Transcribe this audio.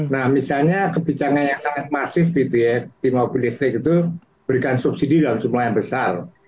nah misalnya kebijakan yang sangat masif gitu ya di mobil listrik itu berikan subsidi dalam jumlah yang besar